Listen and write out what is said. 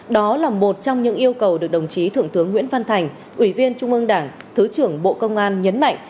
đó là một trong những yêu cầu được đồng chí thượng tướng nguyễn văn thành ủy viên trung ương đảng thứ trưởng bộ công an nhấn mạnh